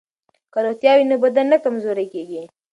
که روغتیا وي نو بدن نه کمزوری کیږي.